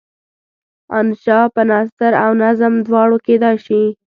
انشأ په نثر او نظم دواړو کیدای شي.